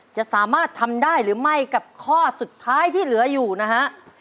จะสามารถทำได้หรือไม่กับข้อสุดท้ายที่เหลืออยู่นะฮะ